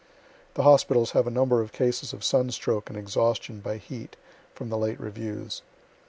The hospitals have a number of cases of sun stroke and exhaustion by heat, from the late reviews.